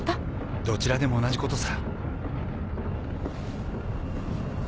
どちらでも同じことさ。